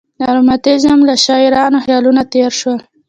د رومانتیزم له شاعرانه خیالاتو تېر شول.